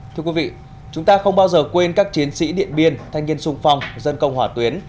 thưa quý vị chúng ta không bao giờ quên các chiến sĩ điện biên thanh niên sung phong dân công hỏa tuyến